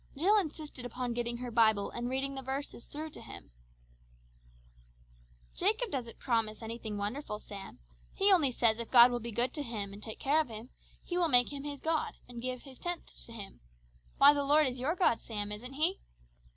Jill insisted upon getting her Bible and reading the verses through to him. "Jacob doesn't promise anything wonderful, Sam. He only says if God will be good to him and take care of him, he will make Him his God, and give his tenth to Him. Why the Lord is your God, Sam, isn't He?"